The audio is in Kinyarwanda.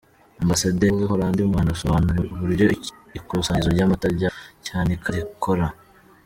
Ambasaderi w’Ubuholandi mu Rwanda asobanurirwa uburyo ikusanyirizo ry’amata rya Cyanika rikora.